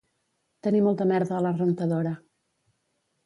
Tenir molta merda a la rentadora